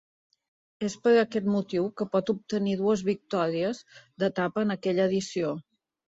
És per aquest motiu que pot obtenir dues victòries d'etapa en aquella edició.